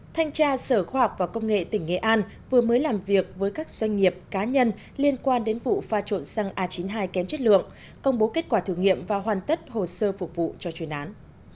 thanh tra sở khoa học và công nghệ tỉnh nghệ an vừa mới làm việc với các doanh nghiệp cá nhân liên quan đến vụ pha trộn xăng a chín mươi hai kém chất lượng công bố kết quả thử nghiệm và hoàn tất hồ sơ phục vụ cho chuyên án